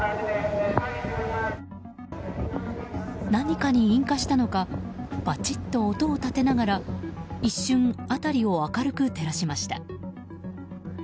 何かに引火したのかバチッと音を立てながら一瞬、辺りを明るく照らしました。